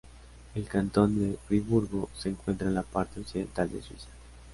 El cantón de Friburgo se encuentra en la parte occidental de Suiza.